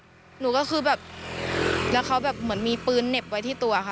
หนูก็คือแบบแล้วเขาแบบเหมือนมีปืนเหน็บไว้ที่ตัวค่ะ